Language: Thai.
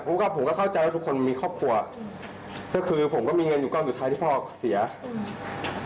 ผมก็ผมก็เข้าใจว่าทุกคนมีครอบครัวก็คือผมก็มีเงินอยู่ก้อนสุดท้ายที่พ่อเสียอืม